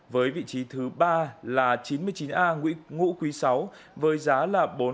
với vị trí thứ ba là chín mươi chín a ngũ quý chín với giá là bảy bốn mươi bảy tỷ đồng